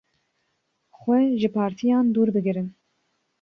Xwe ji partiyan dûr bigirin.